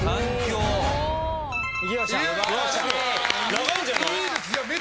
長いんじゃない。